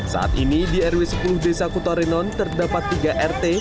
saat ini di rw sepuluh desa kutorinon terdapat tiga rt